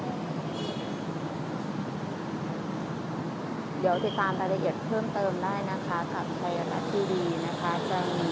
เดี๋ยวติดตามรายละเอียดเพิ่มเติมได้นะคะกับไทยรัฐทีวีนะคะ